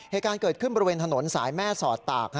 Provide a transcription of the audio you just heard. เหตุการณ์เกิดขึ้นบริเวณถนนสายแม่สอดตาก